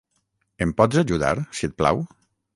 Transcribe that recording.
Em pots ajudar, si et plau?